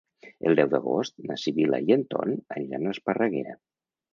El deu d'agost na Sibil·la i en Ton aniran a Esparreguera.